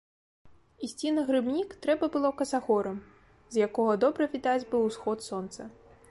Ісці на грыбнік трэба было касагорам, з якога добра відаць быў усход сонца.